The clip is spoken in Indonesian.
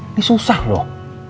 ini susah loh